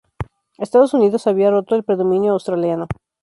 Estados Unidos había roto el predominio australiano.